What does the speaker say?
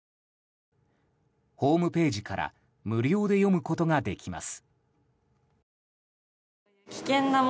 ホームページから無料で読むことができます。